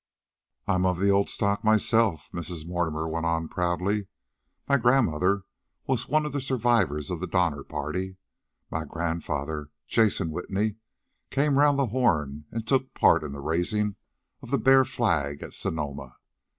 "I'm of the old stock myself," Mrs. Mortimer went on proudly. "My grandmother was one of the survivors of the Donner Party. My grandfather, Jason Whitney, came around the Horn and took part in the raising of the Bear Flag at Sonoma.